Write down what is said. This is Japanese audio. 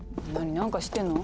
なんか知ってんの？